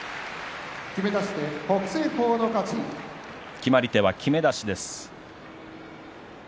決まり手はきめ出しです。